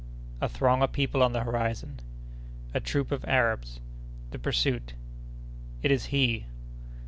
A Throng of People on the Horizon.—A Troop of Arabs.—The Pursuit.—It is He.